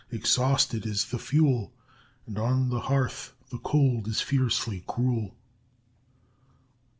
Exhausted is the fuel; And on the hearth the cold is fiercely cruel."